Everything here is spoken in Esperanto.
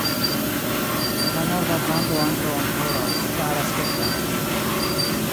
La norda vando ankaŭ ankoraŭ staras kelkalte.